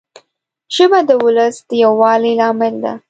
ژبه د ولس د یووالي لامل ده